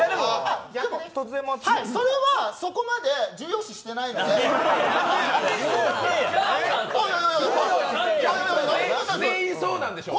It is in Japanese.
それはそこまで重要視してないんで全員そうなんでしょうね？